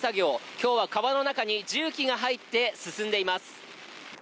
今日は川の中に重機が入って進んでいます。